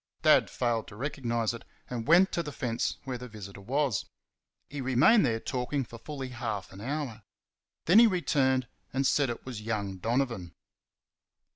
Dad failed to recognise it, and went to the fence where the visitor was. He remained there talking for fully half an hour. Then he returned, and said it was young Donovan.